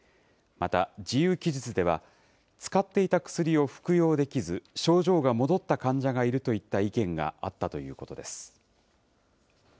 また自由記述では、使っていた薬を服用できず、症状が戻った患者がいるといった意見があったということです。